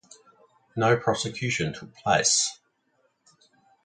No prosecution took place.